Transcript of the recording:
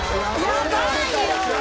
やばいよ！